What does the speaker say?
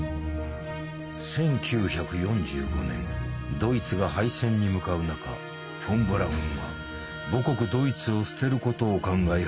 ドイツが敗戦に向かう中フォン・ブラウンは母国ドイツを捨てることを考え始めていた。